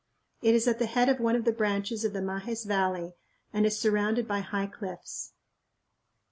It is at the head of one of the branches of the Majes Valley and is surrounded by high cliffs.